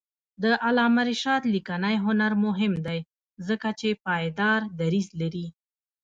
د علامه رشاد لیکنی هنر مهم دی ځکه چې پایدار دریځ لري.